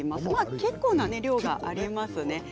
結構な量がありますね。